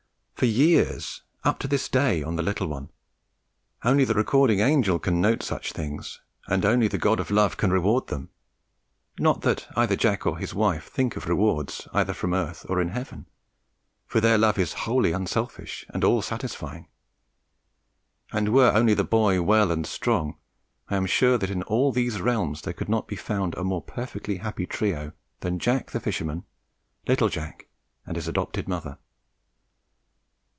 for years, up to this day on the little one. Only the recording angel can note such things, and only the God of love can reward them. Not that either Jack or his wife think of rewards either from earth or in heaven, for their love is wholly unselfish and all satisfying; and were only the boy well and strong, I am sure that in all these realms there could not be found a more perfectly happy trio than Jack the fisherman, little Jack, and his adopted mother.